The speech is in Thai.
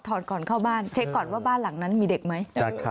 ก่อนเข้าบ้านเช็คก่อนว่าบ้านหลังนั้นมีเด็กไหม